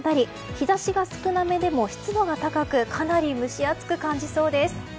日差しが少なめでも湿度が高くかなり蒸し暑く感じそうです。